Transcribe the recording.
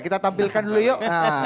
kita tampilkan dulu yuk